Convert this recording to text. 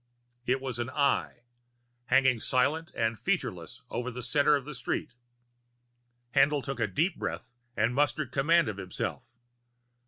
It was an Eye, hanging silent and featureless over the center of the street. Haendl took a deep breath and mustered command of himself.